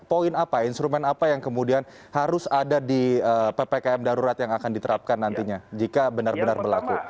poin apa instrumen apa yang kemudian harus ada di ppkm darurat yang akan diterapkan nantinya jika benar benar berlaku